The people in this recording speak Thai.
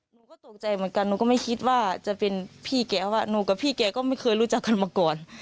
หนูก็ตกใจเหมือนกันหนูก็ไม่คิดว่าจะเป็นพี่แกว่าหนูกับพี่แกก็ไม่เคยรู้จักกันมาก่อน